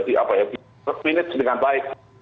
terfinis dengan baik